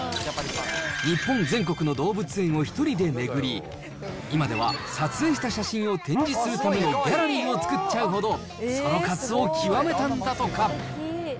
日本全国の動物園を１人で巡り、今では、撮影した写真を展示するためのギャラリーを作っちゃうほど、ソロ活を極めたんだとか。